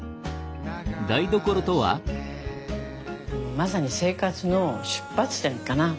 まさに生活の出発点かな。